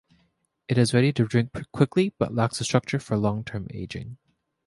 It is ready to drink quickly but lacks the structure for long-term aging.